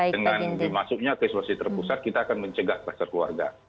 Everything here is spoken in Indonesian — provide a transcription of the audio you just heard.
dengan dimasuknya ke isolasi terpusat kita akan mencegah kluster keluarga